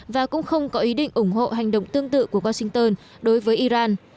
và cũng không có ý định ủng hộ hành động tương tự của washington đối với iran